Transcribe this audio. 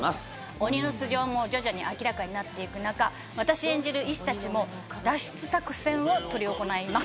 鬼の素性も徐々に明らかになっていく中私演じる医師たちも脱出作戦を執り行います。